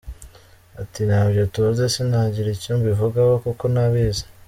Ati “Ntabyo tuzi, sinagira icyo mbivugaho kuko ntabizi.